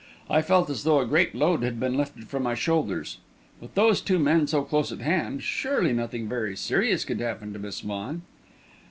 I felt as though a great load had been lifted from my shoulders. With those two men so close at hand, surely nothing very serious could happen to Miss Vaughan!